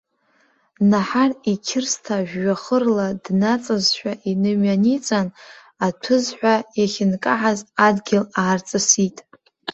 Наҳар иқьырсҭа жәҩахырла днаҵасшәа инымҩаниҵан, аҭәызҳәа иахьынкаҳаз адгьыл аарҵысит.